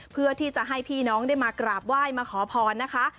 เพื่อที่จะให้พี่น้องได้มากราบไหว้มาขอพรนะคะ